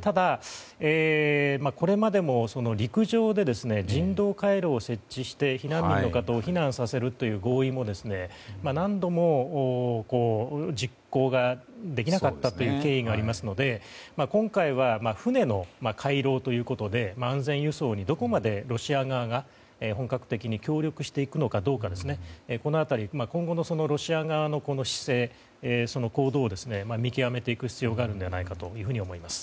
ただ、これまでも陸上で人道回廊を設置して避難民の方を避難させるという合意も何度も実行ができなかったという経緯がありますので、今回は船の回廊ということで安全輸送にどこまでロシア側が本格的に協力していくのかこの辺り今後のロシア側の姿勢行動を見極めていく必要があるのではないかと思います。